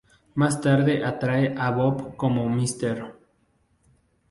Más tarde, atrae a Bob como Mr.